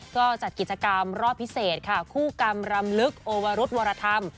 ก็จัดกิจกรรมรอบพิเศษค่ะคู่กรรมรำลึกโอวรุธวรธรรม